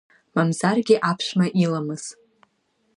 Мамзаргьы, аԥшәма иламыс…